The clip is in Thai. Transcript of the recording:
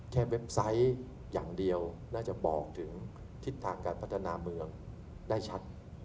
เว็บไซต์อย่างเดียวน่าจะบอกถึงทิศทางการพัฒนาเมืองได้ชัด